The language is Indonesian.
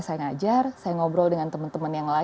saya ngajar saya ngobrol dengan temen temen yang ada di rumah